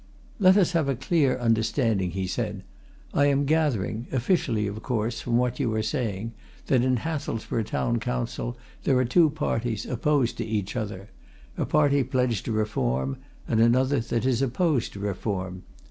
"Let us have a clear understanding," he said. "I am gathering officially, of course from what you are saying that in Hathelsborough Town Council there are two parties, opposed to each other: a party pledged to Reform, and another that is opposed to Reform.